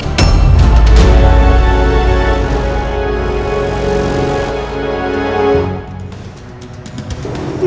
tentang lada andi